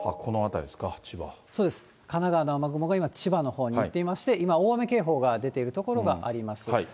そうです、神奈川の雨雲が、今、千葉のほうに行っていまして、今、大雨警報が出ている所があります。